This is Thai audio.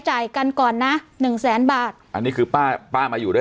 จ่ายกันก่อนนะหนึ่งแสนบาทอันนี้คือป้าป้ามาอยู่ด้วย